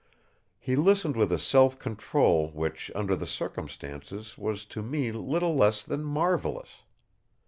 He listened with a self control which, under the circumstances, was to me little less than marvellous.